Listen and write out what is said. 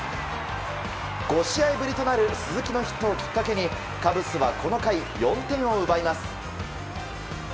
５試合ぶりとなる鈴木のヒットをきっかけにカブスはこの回、４点を奪います。